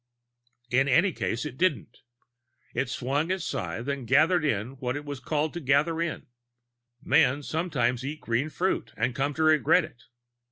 In any case, it didn't. It swung its scythe and gathered in what it was caused to gather in. Men sometimes eat green fruit and come to regret it.